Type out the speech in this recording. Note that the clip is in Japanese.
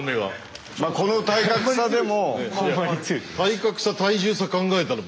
この体格差でも。